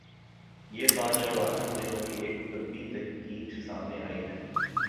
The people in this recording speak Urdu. یہ بات جاپان میں ہونے والی ایک طبی تحقیق میں سامنے آئی ہے